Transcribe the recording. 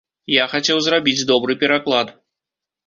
Я хацеў зрабіць добры пераклад.